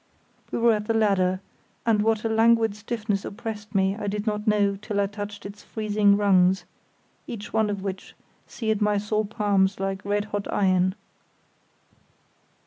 We were at the ladder, and what a languid stiffness oppressed me I did not know till I touched its freezing rungs, each one of which seared my sore palms like red hot iron.